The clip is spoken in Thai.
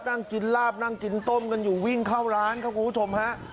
นั่งกินลาบนั่งกินต้มกันอยู่วิ่งเข้าร้านครับคุณผู้ชมฮะ